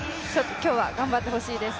今日は頑張ってほしいです。